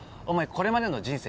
これまでの人生